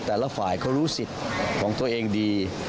แต่ละฝ่ายเขารู้สิทธิ์ของตัวเองดี